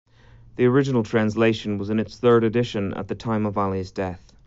The original translation was in its third edition at the time of Ali's death.